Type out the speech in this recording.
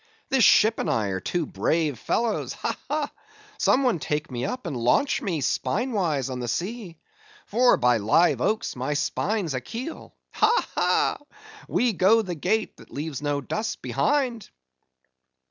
This ship and I are two brave fellows!—Ha, ha! Some one take me up, and launch me, spine wise, on the sea,—for by live oaks! my spine's a keel. Ha, ha! we go the gait that leaves no dust behind!"